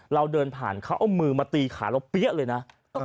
เราเดินผ่านเขาเอามือมาตีขาเราเปี้ยเลยนะ